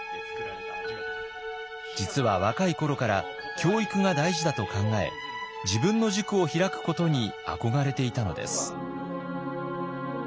実は若い頃から教育が大事だと考え自分の塾を開くことに憧れていたのです。